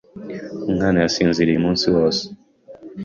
Umwana yasinziriye umunsi wose.